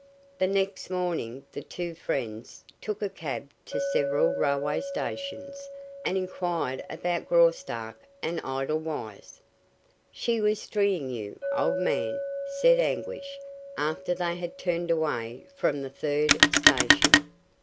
The next morning the two friends took a cab to several railway stations and inquired about Graustark and Edelweiss. "She was stringing you, old man," said Anguish, after they had turned away from the third station.